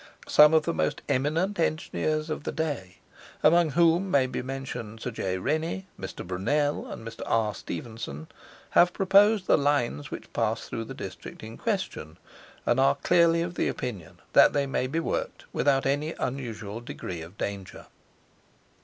Some of the most eminent engineers of the day, among whom may be mentioned Sir J. Rennie, Mr. Brunel, and Mr. R. Stephenson, have proposed the lines which pass through the district in question, and are clearly of opinion that they may be worked without any unusual degree of danger.